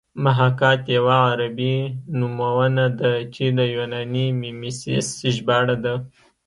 محاکات یوه عربي نومونه ده چې د یوناني میمیسیس ژباړه ده